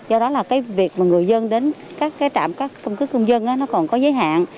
do đó là cái việc mà người dân đến các cái trạm các căn cứ công dân nó còn có giới hạn